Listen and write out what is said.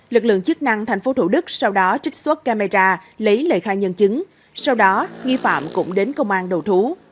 lực lượng chức năng tp thủ đức sau đó trích xuất camera lấy lời khai nhân chứng sau đó nghi phạm cũng đến công an đầu thú